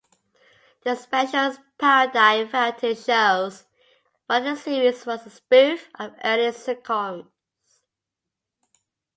The specials parodied variety shows, while the series was a spoof of early sitcoms.